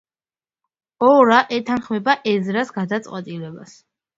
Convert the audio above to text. ორა ეთანხმება ეზრას გადაწყვეტილებას.